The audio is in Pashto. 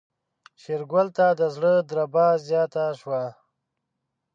شېرګل ته د زړه دربا زياته شوه.